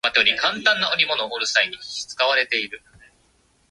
も